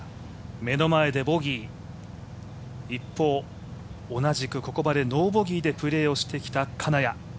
目の前でボギー、一方、同じくここまでノーボギーでプレーをしてきた金谷。